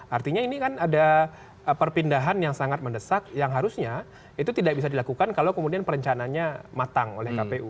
artinya ini kan ada perpindahan yang sangat mendesak yang harusnya itu tidak bisa dilakukan kalau kemudian perencanaannya matang oleh kpu